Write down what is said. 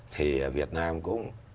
thì việt nam cũng